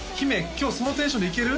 今日そのテンションでいける？